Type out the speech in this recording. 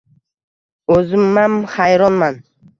O`zimam xayronman